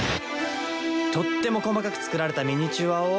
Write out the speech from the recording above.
とっても細かく作られたミニチュアを。